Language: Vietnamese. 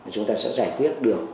chúng ta sẽ giải quyết được